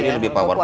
jadi lebih powerful